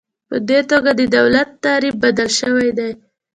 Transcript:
په دې توګه د دولت تعریف بدل شوی دی.